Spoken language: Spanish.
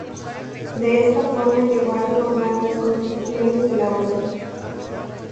De esta forma llegó a reformar las Constituciones de la orden.